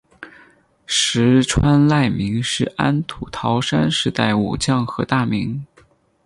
石川赖明是安土桃山时代武将和大名。